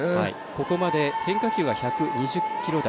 ここまで変化球が１２０キロ台。